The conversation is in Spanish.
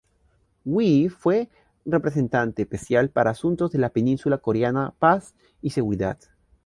Wi fue Representante Especial para Asuntos de la Península Coreana Paz y Seguridad.